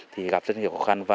thì gặp rất nhiều khó khăn